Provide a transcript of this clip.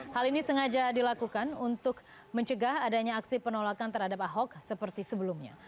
hal ini sengaja dilakukan untuk mencegah adanya aksi penolakan terhadap ahok seperti sebelumnya